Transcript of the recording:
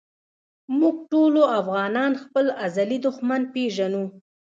مونږ ټولو افغانان خپل ازلي دښمن پېژنو